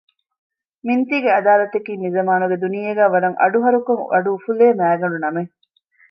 މިންތީގެ އަދާލަތަކީ މިޒަމާނުގެ ދުނިޔޭގައި ވަރަށް އަޑުހަރުކޮށް އަޑުއުފުލޭ މައިގަނޑުނަމެއް